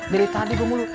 dari tadi gue mulu